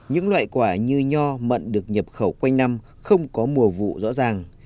những loại quả như nho mận được nhập khẩu quanh năm không có mùa vụ rõ ràng